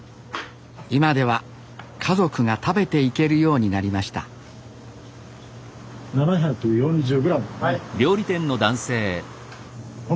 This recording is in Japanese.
今では家族が食べていけるようになりました７４０グラムですね。